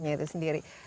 maritimnya itu sendiri